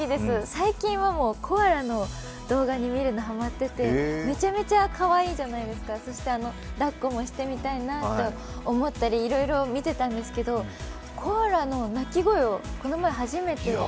最近はコアラの動画を見るのにハマってて、めちゃめちゃかわいいじゃないですか、そして、抱っこもしてみたいなと思ったりいろいろ見てたんですけどコアラの鳴き声をこの前初めて。